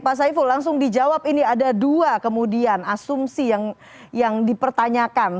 pak saiful langsung dijawab ini ada dua kemudian asumsi yang dipertanyakan